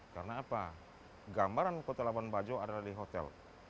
karena apa gambaran kota labuan bajo adalah di hotel